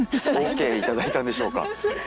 ＯＫいただいたんでしょうか。